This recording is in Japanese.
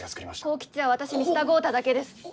幸吉は私に従うただけです。